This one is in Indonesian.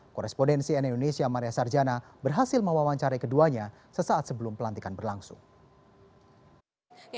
korespondensi nn indonesia maria sarjana berhasil mewawancari keduanya sesaat sebelum pelantikan berlangsung